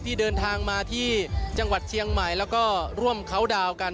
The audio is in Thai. ที่เดินทางมาที่จังหวัดเชียงใหม่แล้วก็ร่วมเขาดาวนกัน